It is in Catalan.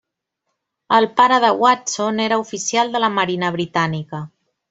El pare de Watson era oficial de la Marina Britànica.